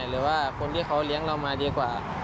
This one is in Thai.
หรือว่าคนที่เขาเลี้ยงเรามาดีกว่า